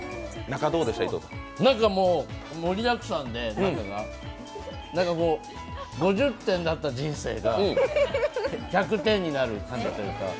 中、盛りだくさんで、何かこう、５０点だった人生が１００点になるというか。